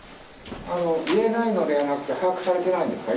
言えないのではなくて、把握されてないんですか？